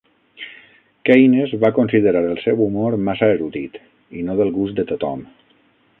Keynes va considerar el seu humor massa erudit i no del gust de tothom.